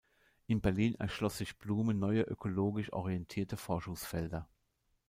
In Berlin erschloss sich Blume neue ökologisch orientierte Forschungsfelder.